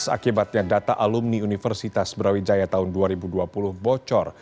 akibatnya data alumni universitas brawijaya tahun dua ribu dua puluh bocor